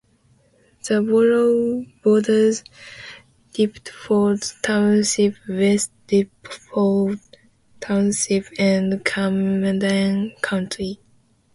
The borough borders Deptford Township, West Deptford Township, and Camden County.